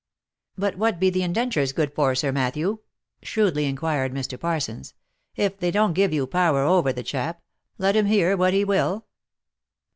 " But what be the indentures good for, Sir Matthew," shrewdly in quired Mr. Parsons, " if they don't give you power over the chap, let him hear what he will